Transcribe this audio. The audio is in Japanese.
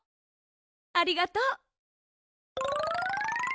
ありがとう。